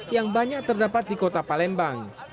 yang banyak terdapat di kota palembang